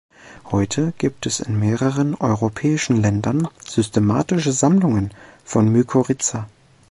Heute gibt es in mehreren europäischen Ländern systematische Sammlungen von Mykorrhiza.